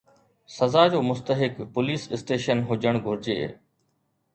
سزا جو مستحق پوليس اسٽيشن هجڻ گهرجي.